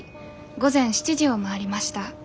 午前７時を回りました。